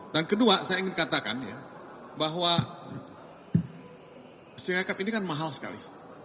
dan kedua saya ingin katakan ya bahwa sirekap ini kan mahal sekali